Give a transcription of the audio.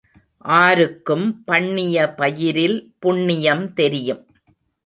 ஆருக்கும் பண்ணிய பயிரில் புண்ணியம் தெரியும்.